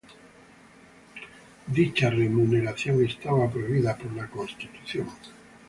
Dicha remuneración estaba prohibida por la constitución.